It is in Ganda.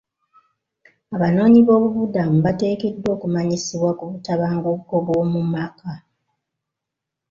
Abanoonyiboobubudamu bateekeddwa okumanyisibwa ku butabanguko bw'omu maka.